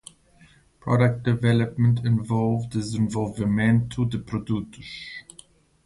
Product Development envolve desenvolvimento de produtos.